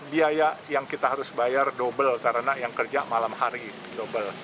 biaya yang kita harus bayar double karena yang kerja malam hari double